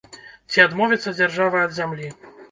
Ці адмовіцца дзяржава ад зямлі?